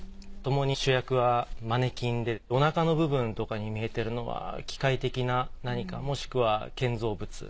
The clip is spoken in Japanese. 共に主役はマネキンでおなかの部分とかに見えてるのは機械的な何かもしくは建造物。